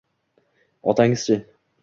Otangiz-chi?